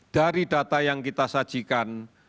dari data yang kita sajikan